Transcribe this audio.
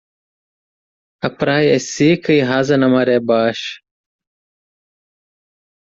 A praia é seca e rasa na maré baixa.